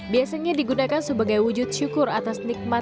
biasanya digunakan sebagai wujud syukur atas nikmat